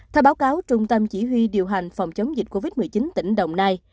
theo báo cáo trung tâm chỉ huy điều hành phòng chống dịch covid một mươi chín tỉnh đồng nai